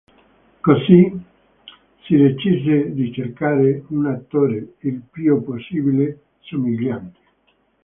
Così si decise di cercare un attore il più possibile somigliante.